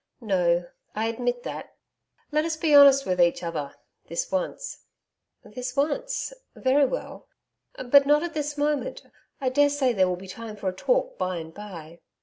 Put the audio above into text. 'No, I admit that. Let us be honest with each other this once.' 'This once very well but not at this moment. I daresay there will be time for a talk by and by.'